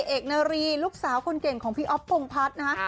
เอกนารีลูกสาวคนเก่งของพี่อ๊อฟพงพัฒน์นะฮะ